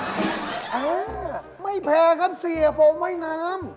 เออไม่แพงครับเสียโฟมว่ายน้ำ